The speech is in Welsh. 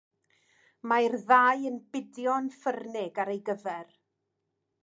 Mae'r ddau yn bidio yn ffyrnig ar ei gyfer.